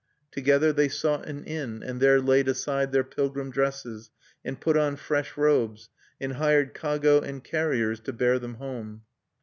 Together they sought an inn, and there laid aside their pilgrim dresses, and put on fresh robes, and hired kago and carriers to bear them home.